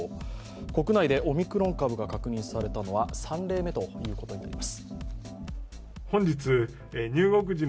国内でオミクロン株が確認されたのは３例目ということになります。